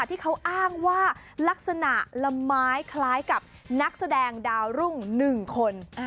ที่เขาอ้างว่าลักษณะละไม้คล้ายกับนักแสดงดาวรุ่ง๑คน